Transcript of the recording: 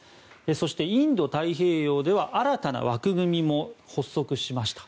そして、インド太平洋では新たな枠組みも発足しました。